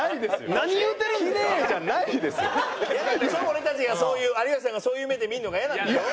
俺たちがそういう有吉さんがそういう目で見るのがイヤなんでしょ？